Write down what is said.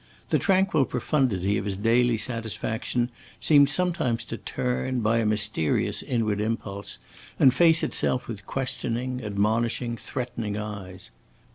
The tranquil profundity of his daily satisfaction seemed sometimes to turn, by a mysterious inward impulse, and face itself with questioning, admonishing, threatening eyes.